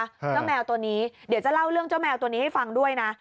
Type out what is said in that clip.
เจ้าแมวตัวนี้เดี๋ยวจะเล่าเรื่องเจ้าแมวตัวนี้ให้ฟังด้วยนะ